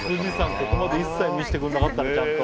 ここまで一切見せてくれなかったねちゃんと。